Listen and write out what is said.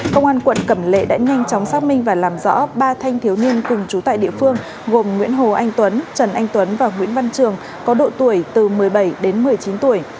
công an quận cẩm lệ đã nhanh chóng xác minh và làm rõ ba thanh thiếu niên cùng chú tại địa phương gồm nguyễn hồ anh tuấn trần anh tuấn và nguyễn văn trường có độ tuổi từ một mươi bảy đến một mươi chín tuổi